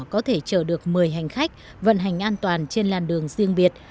có thể chở được một mươi hành khách vận hành an toàn trên làn đường riêng biệt